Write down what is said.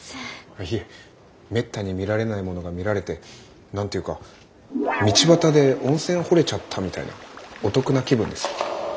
いえめったに見られないものが見られて何ていうか道端で温泉掘れちゃったみたいなお得な気分ですよ。